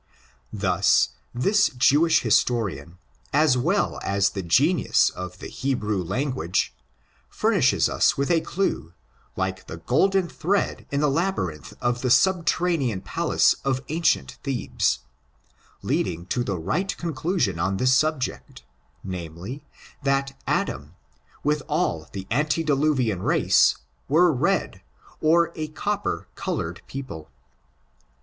"^ Thus this Jewish historian, as well as the genius of the Hebrew language, furnishes us with a clue, like the golden thread in the labyrinth of the subter ranean palace of ancient Thebes, leading to the right conclusion on this subject, namely, that Adam, with all the antediluvian race, were red, or a copper colored people.